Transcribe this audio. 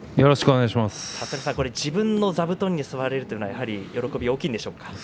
自分の座布団に座れるというのはやはり喜びも大きいんでしょうか。